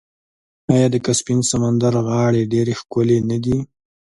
آیا د کسپین سمندر غاړې ډیرې ښکلې نه دي؟